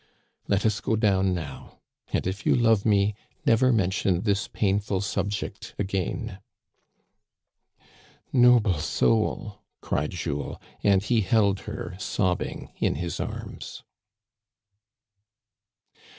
Let us go down now, and if you love me never mention this painful subject again." Noble soul !" cried Jules, and he held her sobbing in his arms.